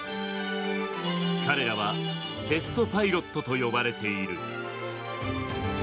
彼らはテストパイロットと呼ばれている。